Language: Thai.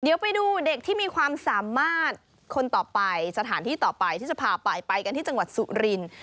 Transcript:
เดี๋ยวไปดูเด็กที่มีความสามารถคนต่อไปสถานที่ต่อไปที่จะพาไปไปกันที่จังหวัดสุรินทร์